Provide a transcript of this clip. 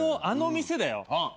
あの店だよ。